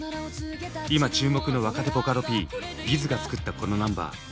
今注目の若手ボカロＰｂｉｚが作ったこのナンバー。